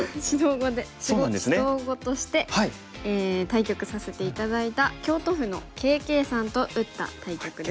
指導碁として対局させて頂いた京都府のＫ．Ｋさんと打った対局です。